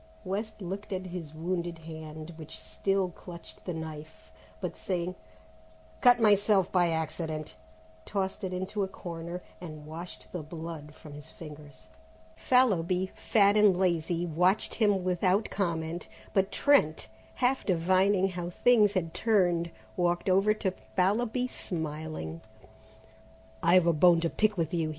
West looked at his wounded hand, which still clutched the knife, but saying, "Cut myself by accident," tossed it into a corner and washed the blood from his fingers. Fallowby, fat and lazy, watched him without comment, but Trent, half divining how things had turned, walked over to Fallowby smiling. "I've a bone to pick with you!"